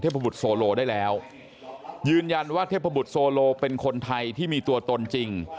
บุตรโซโลได้แล้วยืนยันว่าเทพบุตรโซโลเป็นคนไทยที่มีตัวตนจริง